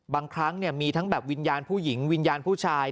บางครั้งมีทั้งแบบวิญญาณผู้หญิงวิญญาณผู้ชาย